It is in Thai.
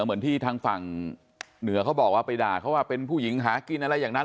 เหมือนที่ทางฝั่งเหนือเขาบอกว่าไปด่าเขาว่าเป็นผู้หญิงหากินอะไรอย่างนั้น